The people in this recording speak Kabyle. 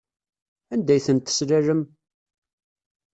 Anda ay tent-teslalem?